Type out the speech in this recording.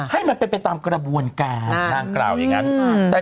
ให้มันเป็นไปตามกระบวนการนางกล่าวอย่างนั้น